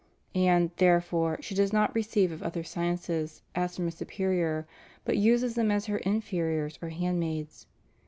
And, therefore, she does not receive of other sciences as from a superior, but uses them as her inferiors or hand maids."